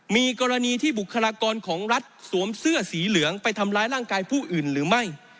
มีกรณีที่บุคลากรของรัฐสวมเสื้อสีเหลืองไปทำร้ายร่างกายผู้อื่นหรือไม่